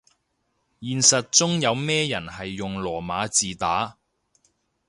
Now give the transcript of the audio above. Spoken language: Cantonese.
現實中有咩人係用羅馬字打